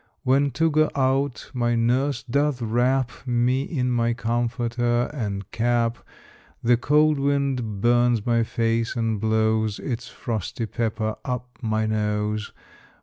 When to go out, my nurse doth wrap Me in my comforter and cap, The cold wind burns my face, and blows Its frosty pepper up my nose.